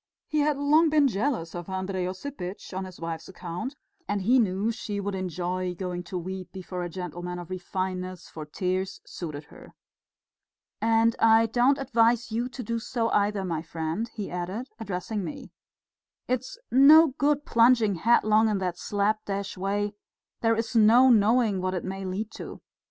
He had long been jealous of Andrey Osipitch on his wife's account, and he knew she would enjoy going to weep before a gentleman of refinement, for tears suited her. "And I don't advise you to do so either, my friend," he added, addressing me. "It's no good plunging headlong in that slap dash way; there's no knowing what it may lead to.